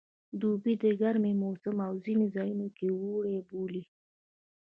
دوبی د ګرمي موسم دی او ځینې ځایو کې اوړی بولي